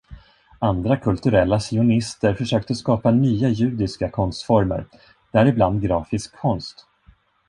Andra kulturella sionister försökte skapa nya judiska konstformer, däribland grafisk konst.